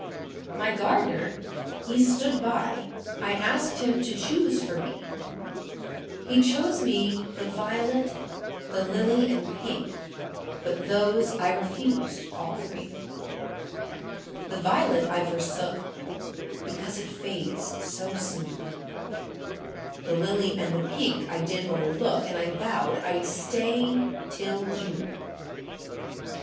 My gardener he stood by, I asked him to choose for me, He chose me the violet, the lily and pink, but those I refused all three; The violet I forsook, because it fades so soon, The lily and the pink I did oâerlook, and I vowed Iâd stay till June.